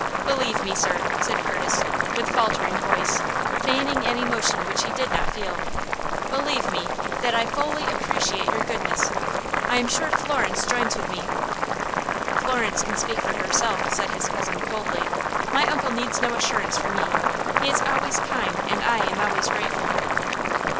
"Believe me, sir," said Curtis, with faltering voice, feigning an emotion which he did not feel, "believe me, that I fully appreciate your goodness. I am sure Florence joins with me " "Florence can speak for herself," said his cousin, coldly. "My uncle needs no assurance from me. He is always kind, and I am always grateful."